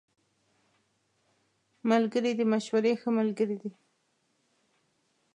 ملګری د مشورې ښه ملګری دی